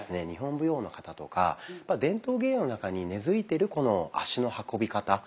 日本舞踊の型とか伝統芸能の中に根づいてるこの足の運び方。